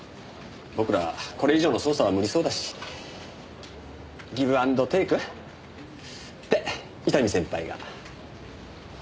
僕らこれ以上の捜査は無理そうだしギブ・アンド・テークって伊丹先輩が。